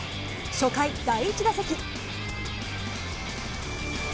初回、第１打席。